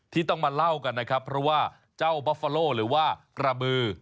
ที่ต้องมาเล่ากันนะครับเพราะว่าเจ้าบัฟฟาโลหรือว่ากระบือ